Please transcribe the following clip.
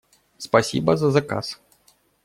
Спасибо за заказ!